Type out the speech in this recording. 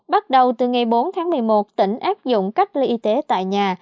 bắt đầu từ ngày bốn tháng một mươi một tỉnh áp dụng cách ly y tế tại nhà